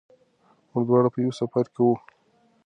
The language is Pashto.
موږ دواړه په یوه سفر کې وو.